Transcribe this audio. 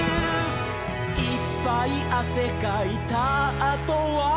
「いっぱいあせかいたあとは」